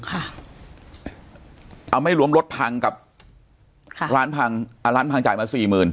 เอาไม่รวมรถพังกับค่ะร้านพังอ่าร้านพังจ่ายมาสี่หมื่น